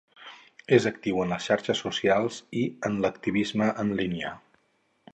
És actiu en les xarxes socials i en l'activisme en línia